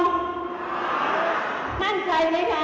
มั่นใจกับเราไหมคะ